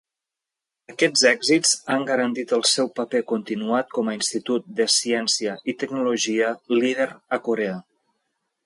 Aquests èxits han garantit el seu paper continuat com a Institut de ciència i tecnologia líder a Corea.